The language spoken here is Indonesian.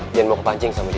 dian mau ke pancing sama dia